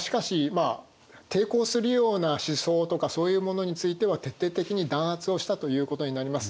しかし抵抗するような思想とかそういうものについては徹底的に弾圧をしたということになります。